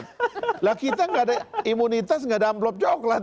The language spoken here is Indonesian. nah kita enggak ada imunitas enggak ada amplop coklat